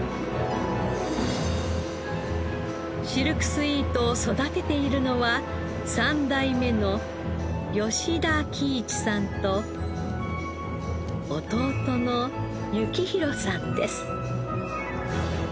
シルクスイートを育てているのは３代目の田喜一さんと弟の行宏さんです。